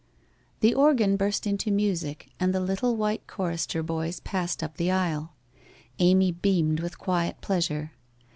The organ burst into music and the little wliite choris ter boys passed up the aisle. Amy beamed with quiet pleasure.